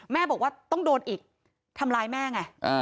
แม่บอกว่าต้องโดนอีกทำร้ายแม่ไง